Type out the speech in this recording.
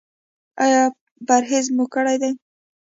ایا پرهیز مو کړی دی؟